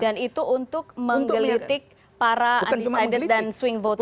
dan itu untuk menggelitik para undecided dan swing voters itu